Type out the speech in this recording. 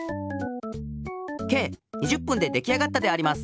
計２０ぷんでできあがったであります。